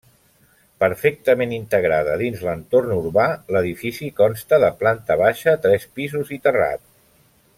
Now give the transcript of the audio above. Perfectament integrada dins l'entorn urbà, l'edifici consta de planta baixa, tres pisos i terrat.